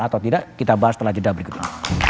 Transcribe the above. atau tidak kita bahas setelah jeda berikutnya